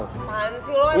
makanya sih lo yang berisik